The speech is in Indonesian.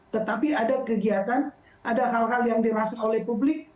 tetapi ada kegiatan ada hal hal yang dirasa oleh publik